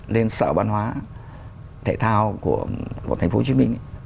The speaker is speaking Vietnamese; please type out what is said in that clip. lên sở ban hóa thể thao của thành phố hồ chí minh